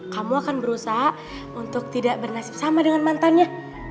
kamu akan berusaha untuk tidak bernasib sama dengan mantannya